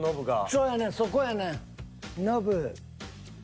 そうやねんそこやねん。